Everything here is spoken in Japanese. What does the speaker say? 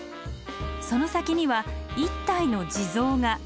その先には一体の地蔵が。